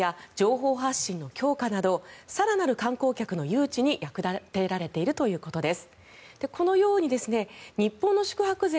観光案内機能や情報発信の強化など更なる観光客の誘致に役立てられているということです。